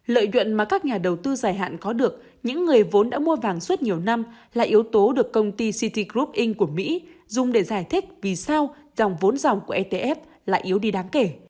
lợi nhuận mà các nhà đầu tư dài hạn có được những người vốn đã mua vàng suốt nhiều năm là yếu tố được công ty city group in của mỹ dùng để giải thích vì sao dòng vốn dòng của etf lại yếu đi đáng kể